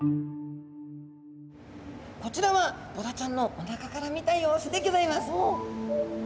こちらはボラちゃんのおなかから見た様子でギョざいます！